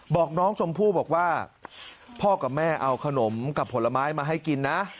บอกน้องชมพู่บอกว่าพ่อกับแม่เอาขนมกับผลไม้มาให้กินนะ